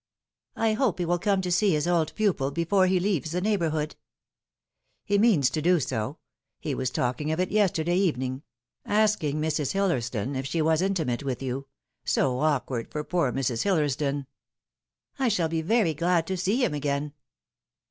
" I hope he will come to see his old pupil before he leaves the neighbourhood." " He means to do so. He was talking of it yesterday even ingasking Mrs. Hillersdon if she was intimate with you so awkward for poor Mrs. Hillersdon." " I shall be very glad to see him again."